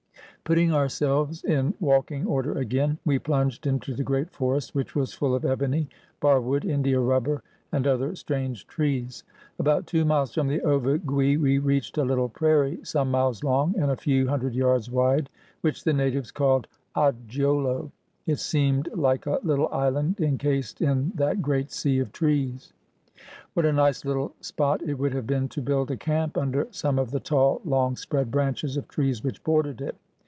Putting ourselves in walking order again, we plunged into the great forest, which was full of ebony, barwood. India rubber, and other strange trees. About two miles from the Ovigui we reached a little prairie, some miles long and a few hundred yards wide, which the natives called Odjiolo. It seemed hke a little island incased in that great sea of trees. What a nice little spot it would have been to build a camp under some of the tall, long spread branches of trees which bordered it!